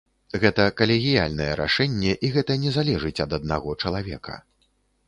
Гэта калегіяльнае рашэнне, і гэта не залежыць ад аднаго чалавека.